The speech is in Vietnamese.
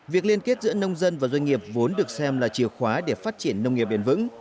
việc liên kết giữa nông dân và doanh nghiệp vốn được xem là chìa khóa để phát triển nông nghiệp bền vững